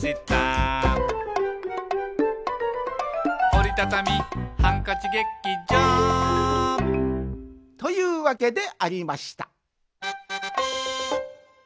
「おりたたみハンカチ劇場」というわけでありました